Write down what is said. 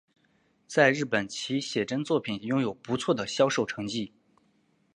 在日本其写真作品拥有不错的销售成绩。